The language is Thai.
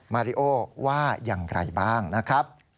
มาริโอว่าอย่างไรบ้างนะครับ